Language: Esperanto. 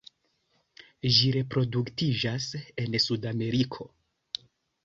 Ĝi reproduktiĝas en Sudameriko.